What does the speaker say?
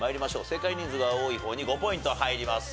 正解人数が多い方に５ポイント入ります。